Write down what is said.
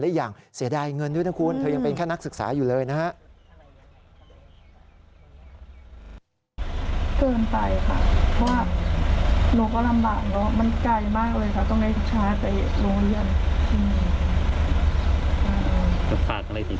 อย่างเสียดายเงินด้วยนะคุณเธอยังเป็นแค่นักศึกษาอยู่เลยนะฮะ